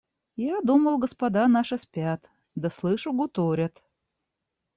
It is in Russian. Я думал, господа наши спят, да слышу гуторят.